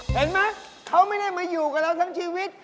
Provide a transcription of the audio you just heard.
เห็นไหมเขาไม่ได้มาอยู่กับเราทั้งชีวิต